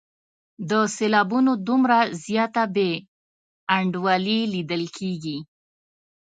د سېلابونو دومره زیاته بې انډولي لیدل کیږي.